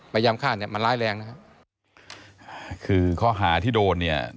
พยายามฆ่าเจ้าพนักงานในขณะปฏิบัติหน้าที่นะซึ่งพ่อกับลูก